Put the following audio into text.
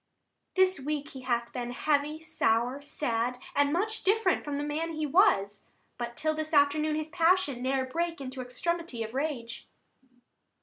Adr. This week he hath been heavy, sour, sad, 45 And much different from the man he was; But till this afternoon his passion Ne'er brake into extremity of rage.